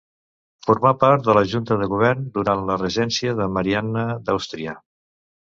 Formà part de la Junta de Govern durant la regència de Marianna d'Àustria.